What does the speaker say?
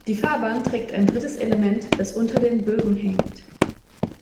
Die Fahrbahn trägt ein drittes Element, das unter den Bögen hängt.